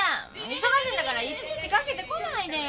忙しいんだからいちいちかけてこないでよ。